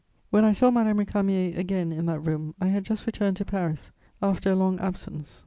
When I saw Madame Récamier again in that room, I had just returned to Paris, after a long absence.